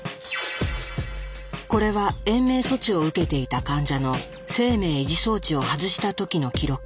これは延命措置を受けていた患者の生命維持装置を外した時の記録。